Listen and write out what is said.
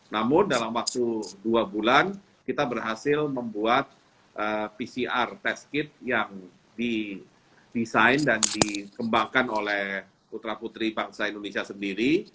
namun dalam waktu dua bulan kita berhasil membuat pcr test kit yang didesain dan dikembangkan oleh putra putri bangsa indonesia sendiri